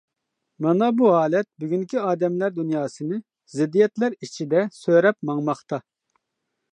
مانا بۇ ھالەت بۈگۈنكى ئادەملەر دۇنياسىنى زىددىيەتلەر ئىچىدە سۆرەپ ماڭماقتا.